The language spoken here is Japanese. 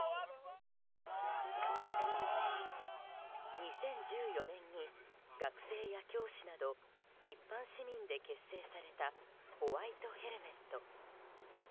２０１４年に学生や教師など一般市民で結成されたホワイトヘルメット。